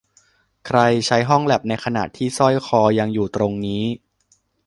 ใครใช้ห้องแลปในขณะที่สร้อยคอยังอยู่ตรงนี้